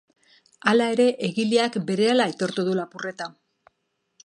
Hala ere, egileak berehala aitortu du lapurreta.